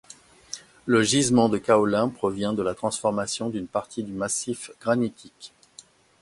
Le gisement de kaolin provient de la transformation d'une partie du massif granitique.